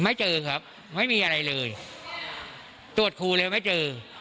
ไม่เจอครับไม่มีอะไรเลยตรวจครูแล้วไม่เจอ